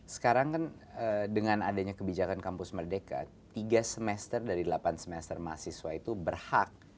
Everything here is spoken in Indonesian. sekarang kan dengan adanya kebijakan kampus merdeka tiga semester dari delapan semester mahasiswa itu berhak